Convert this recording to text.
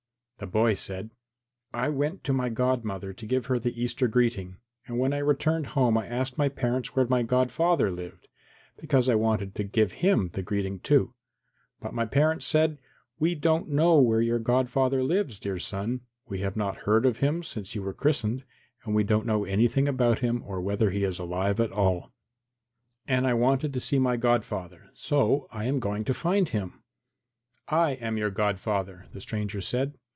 And the boy said, "I went to my godmother to give her the Easter greeting and when I returned home I asked my parents where my godfather lived, because I wanted to give him the greeting too, but my parents said, 'We don't know where your godfather lives, dear son. We have not heard of him since you were christened and we don't know anything about him, or whether he is alive at all.' And I wanted to see my godfather, so I am going to find him." "I am your godfather," the stranger said.